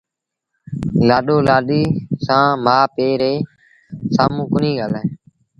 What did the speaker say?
لآڏو لآڏيٚ سآݩ مآ پي ري سآمهون ڪونهيٚ ڳآلآئي